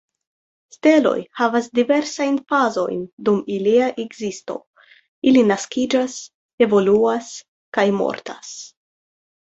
Steloj havas diversajn fazojn dum ilia ekzisto: ili naskiĝas, evoluas, kaj mortas.